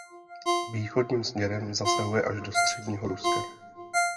Východním směrem zasahuje až do středního Ruska.